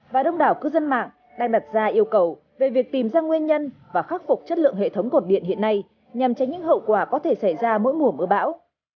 và đông đảo cư dân mạng đang đặt ra yêu cầu về việc tìm ra nguyên nhân và khắc phục chất lượng hệ thống cột điện hiện nay nhằm tránh những hậu quả có thể xảy ra mỗi mùa mưa bão